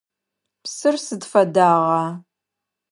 Псыр сыд фэдагъа?